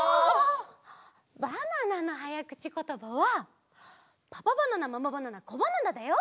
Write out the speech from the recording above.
バナナのはやくちことばはパパバナナママバナナコバナナだよ！